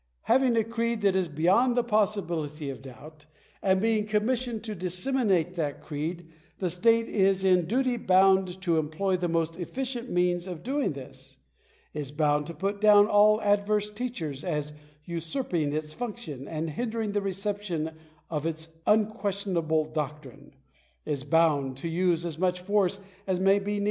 Having a creed that is beyond the possibility of doubt, and being commissioned to disseminate that creed, the state is in duty bqund to employ the most efficient means of doing this — is bound to put down all adverse teachers, as usurping its function and hindering the reception of its un questionable doctrine — is bound to use as much force as may x 2 Digitized by VjOOQIC 808 RELIGIOUS ESTABLISHMENTS.